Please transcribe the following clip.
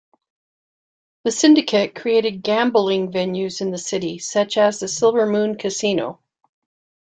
The syndicate created gambling venues in the city such as the Silver Moon casino.